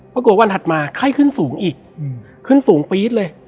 วันถัดมาไข้ขึ้นสูงอีกขึ้นสูงปี๊ดเลย